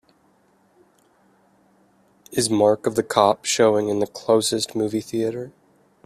Is Mark of the Cop showing in the closest movie theatre